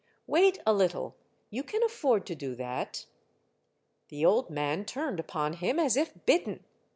Wait a little. You can afford to do that." The old man turned upon him as if bitten.